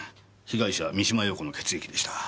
被害者三島陽子の血液でした。